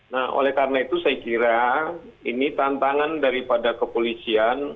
nah oleh karena itu saya kira ini tantangan daripada kepolisian